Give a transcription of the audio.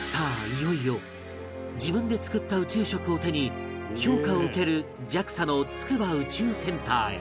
いよいよ自分で作った宇宙食を手に評価を受ける ＪＡＸＡ の筑波宇宙センターへ